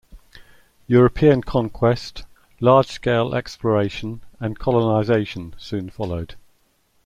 European conquest, large-scale exploration and colonization soon followed.